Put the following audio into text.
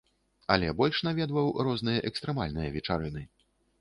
Але больш наведваў розныя экстрэмальныя вечарыны.